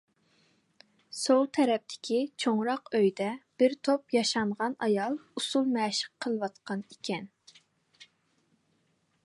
سول تەرەپتىكى چوڭراق ئۆيدە بىر توپ ياشانغان ئايال ئۇسسۇل مەشىق قىلىۋاتقان ئىكەن.